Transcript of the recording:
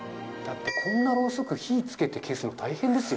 だってこんなろうそく火付けて消すの大変ですよ。